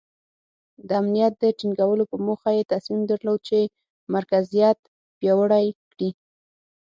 د امنیت د ټینګولو په موخه یې تصمیم درلود چې مرکزیت پیاوړی کړي.